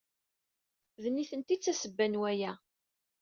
D nitenti ay d tasebba n waya.